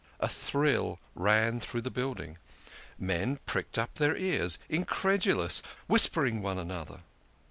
A thrill ran through the building. Men pricked up their ears, incredulous, whispering one another.